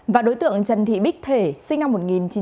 và đối tượng trần thị bích thể sinh năm một nghìn chín trăm năm mươi bảy